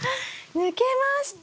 抜けました！